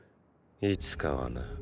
いつかはな。